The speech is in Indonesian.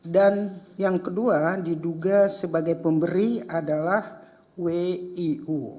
dan yang kedua diduga sebagai pemberi adalah wiu